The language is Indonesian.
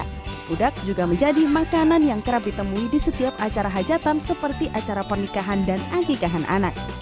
pudak juga menjadi makanan yang kerap ditemui di setiap acara hajatan seperti acara pernikahan dan agikahan anak